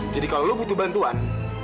jadi kalau lo butuh bantuan